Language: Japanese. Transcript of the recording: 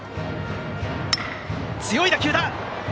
強い打球だ！